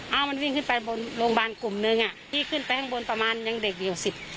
เอามันวิ่งขึ้นไปบนโรงพยาบาลกลุ่มนึงอ่ะพี่ขึ้นไปข้างบนประมาณยังเด็กอยู่สิบ